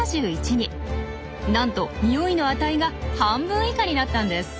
なんと匂いの値が半分以下になったんです。